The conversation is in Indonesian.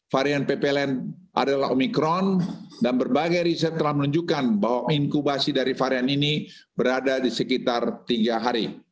varian ppln adalah omikron dan berbagai riset telah menunjukkan bahwa inkubasi dari varian ini berada di sekitar tiga hari